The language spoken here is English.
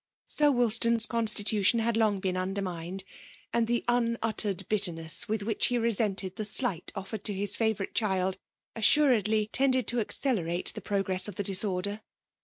Sir Wed staa*s constitution had long been undermined ; and the unuttered bitterness with which he resented the slight offered to his favourite child, assuredly tended to accelerate the progress of the disorder.